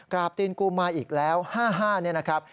กราบตีนกูมาอีกแล้วฮ่านะครับ